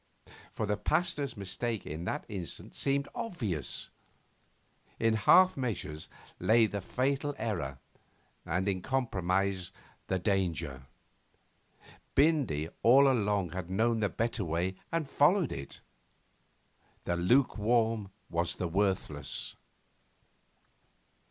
For the Pasteur's mistake in that instant seemed obvious. In half measures lay the fatal error, and in compromise the danger. Bindy all along had known the better way and followed it. The lukewarm was the worthless.